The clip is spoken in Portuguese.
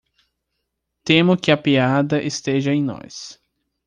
Temo que a piada esteja em nós.